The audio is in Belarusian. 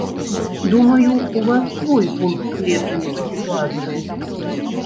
Думаю, у вас свой пункт гледжання па сітуацыі.